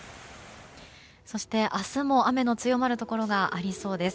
そして明日も雨の強まるところがありそうです。